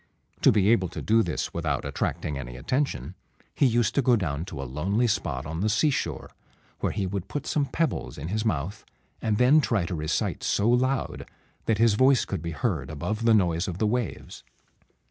To be able to do this without attracting any attention, he used to go down to a lonely spot on the seashore, where he would put some pebbles in his mouth, and then try to recite so loud that his voice could be heard above the noise of the waves.